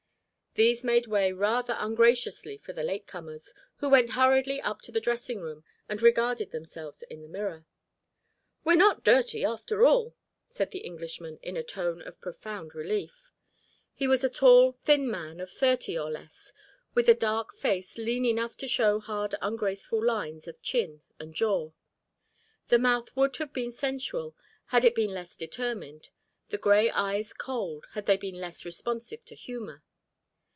These made way rather ungraciously for the late comers, who went hurriedly up to the dressing room and regarded themselves in the mirror. "We're not dirty, after all," said the Englishman in a tone of profound relief. He was a tall thin man of thirty or less with a dark face lean enough to show hard ungraceful lines of chin and jaw. The mouth would have been sensual had it been less determined, the grey eyes cold had they been less responsive to humour.